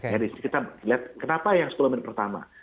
jadi kita lihat kenapa yang sepuluh menit pertama